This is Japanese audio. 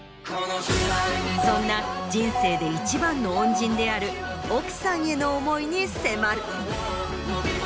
そんな人生で一番の恩人である奥さんへの思いに迫る。